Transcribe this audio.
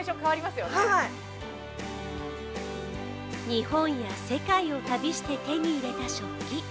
日本や世界を旅して手に入れた食器。